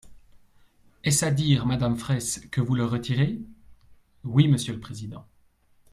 Est-ce à dire, madame Fraysse, que vous le retirez ? Oui, monsieur le président.